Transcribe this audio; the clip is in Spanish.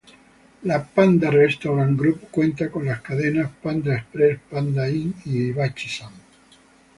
El Panda Restaurant Group cuenta con las cadenas Panda Express, Panda Inn y Hibachi-San.